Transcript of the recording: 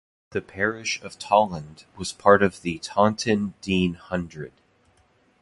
The parish of Tolland was part of the Taunton Deane Hundred.